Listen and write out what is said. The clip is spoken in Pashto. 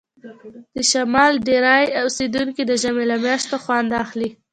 د شمال ډیری اوسیدونکي د ژمي له میاشتو خوند اخلي